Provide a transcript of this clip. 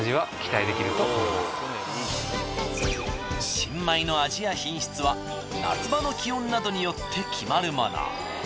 新米の味や品質は夏場の気温などによって決まるもの。